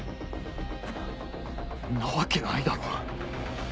んなわけないだろ。